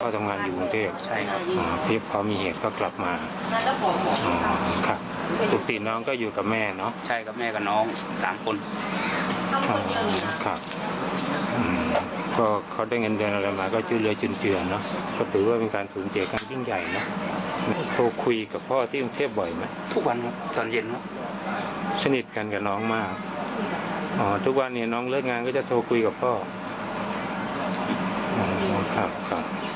อ๋อทุกวันเนี่ยน้องเลิกงานก็จะโทรศัพท์คุยกับพ่อ